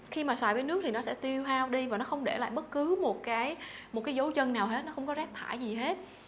khi mà xài với nước thì nó sẽ tiêu hao đi và nó không để lại bất cứ một cái dấu chân nào hết nó không có rác thải gì hết